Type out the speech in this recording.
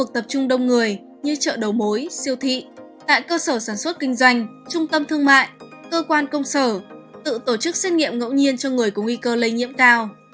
tại cơ sở sản xuất kinh doanh trung tâm thương mại cơ quan công sở tự tổ chức xét nghiệm ngẫu nhiên cho người có nguy cơ lây nhiễm cao